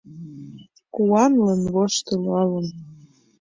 Куаналын, воштылалын